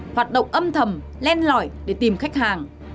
hoạt động âm thầm len lỏi để tìm khách hàng